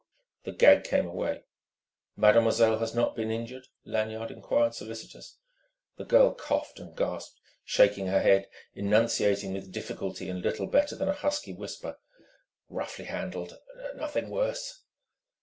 The gag came away. "Mademoiselle has not been injured?" Lanyard enquired, solicitous. The girl coughed and gasped, shaking her head, enunciating with difficulty in little better than a husky whisper: "... roughly handled, nothing worse."